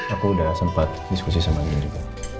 aku udah sempat diskusi sama dia juga